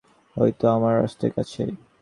এটাতো আমার রাস্তার কাছেই।